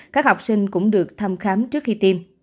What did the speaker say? các học sinh cũng được thăm khám trước khi tiêm